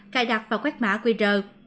cài đặt và quét mã quy rờ